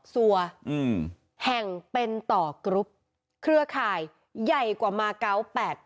ซัวแห่งเป็นต่อกรุ๊ปเครือข่ายใหญ่กว่ามาเกาะ๘๘